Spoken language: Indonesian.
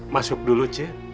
masuk dulu ce